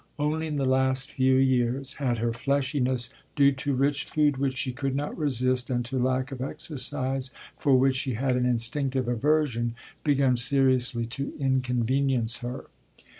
Only in the last few years had her fleshiness, due to rich food which she could not resist and to lack of exercise for which she had an instinctive aversion, begun seriously to inconvenience her.